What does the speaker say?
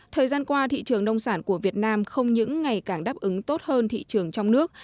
thời gian qua thị trường nông sản của việt nam không những ngày càng đáp ứng tốt hơn thị trường trong nước